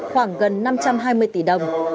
khoảng gần năm trăm hai mươi tỷ đồng